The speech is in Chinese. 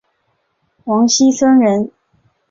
王沂孙人。